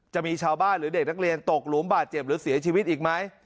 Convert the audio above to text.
จะมีชาวบ้านหรือเด็กนักเรียนตกหลุมบาดเจ็บหรือเสียชีวิตอีกไหม